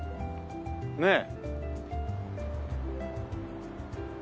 ねえ。